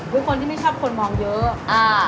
คนที่ไม่ชอบคนมองเยอะ